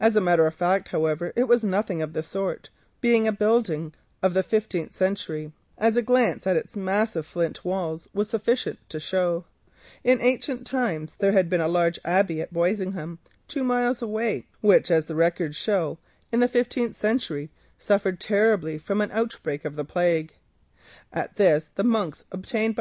In fact, however, it was nothing of the sort, being a building of the fifteenth century, as a glance at its massive flint walls was sufficient to show. In ancient times there had been a large Abbey at Boisingham, two miles away, which, the records tell, suffered terribly from an outbreak of the plague in the fifteenth century.